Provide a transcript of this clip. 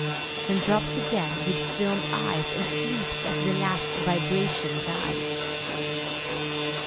Then drops again with fdmed eyes, And sleeps as the last vibration dies.